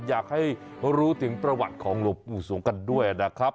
อยากให้รู้ถึงประวัติของหลวงปู่สวงกันด้วยนะครับ